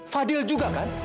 fadil juga kan